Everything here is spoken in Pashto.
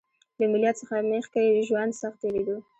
له میلاد مخکې ژوند سخت تېریدو